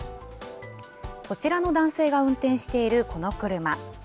こちらの男性が運転しているこの車。